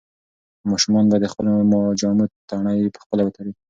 ماشومان باید د خپلو جامو تڼۍ پخپله وتړي.